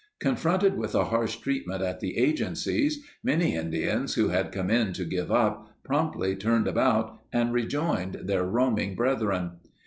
Confronted with the harsh treatment at the agencies, many Indians who had come in to give up promptly turned about and rejoined their roaming brethren.